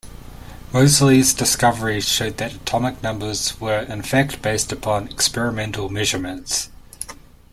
Moseley's discovery showed that atomic numbers were in fact based upon experimental measurements.